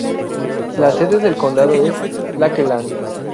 La sede del condado es Lakeland.